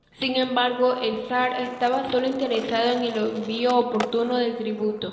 Sin embargo, el zar estaba sólo interesado en el envío oportuno del tributo.